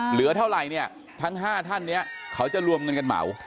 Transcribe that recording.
เหลือเท่าไรทั้ง๕ท่านเขาจะรวมเงินกันเหมา